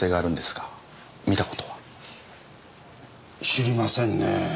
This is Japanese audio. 知りませんねぇ。